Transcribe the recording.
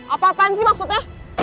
apa apaan sih maksudnya